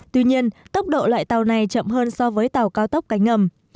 tuy nhiên tốc độ loại tàu này chậm hơn so với tàu cao tốc cánh ngầm